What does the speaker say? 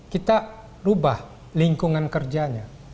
kita rubah lingkungan kerjanya